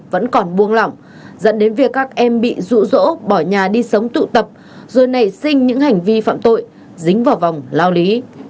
vẫn còn buông lỏng dẫn đến việc các em bị rụ rỗ bỏ nhà đi sống tụ tập rồi nảy sinh những hành vi phạm tội dính vào vòng lao lý